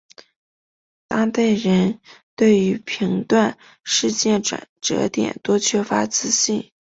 当代人对于评断事件转捩点多缺乏自信。